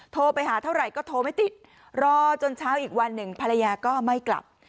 โทรไปหาเท่าไหร่ก็โทรไม่ติดรอจนเช้าอีกวันหนึ่งภรรยาก็ไม่กลับ